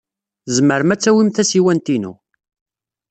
Tzemrem ad tawim tasiwant-inu.